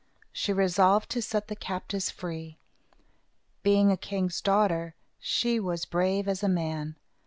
She resolved to set the captives free. Being a king's daughter, she was brave as a man.